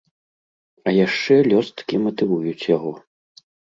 А яшчэ лёсткі матывуюць яго.